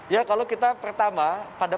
ya kalau kita pertama pada